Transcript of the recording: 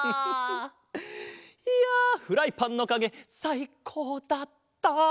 いやフライパンのかげさいこうだった！